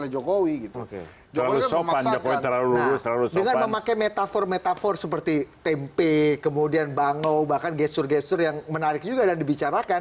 jokowi dan sandi